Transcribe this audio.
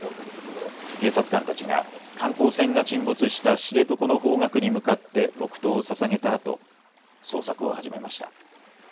警察官たちが観光船が沈没した知床の方角に向かって黙とうをささげたあと捜索を始めました。